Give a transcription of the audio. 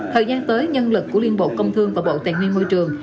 thời gian tới nhân lực của liên bộ công thương và bộ tài nguyên môi trường